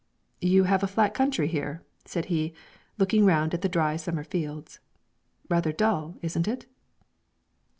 'You have a flat country here,' said he, looking round at the dry summer fields; 'rather dull, isn't it?'